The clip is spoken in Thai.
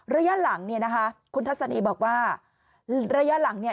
ระยะหลังเนี่ยนะคะคุณทัศนีบอกว่าระยะหลังเนี่ย